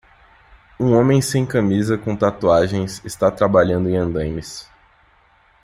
Um homem sem camisa com tatuagens está trabalhando em andaimes.